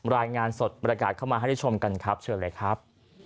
รายงานสดบรรยากาศเข้ามาให้ได้ชมกันครับเชิญเลยครับ